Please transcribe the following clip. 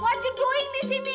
what you doing di sini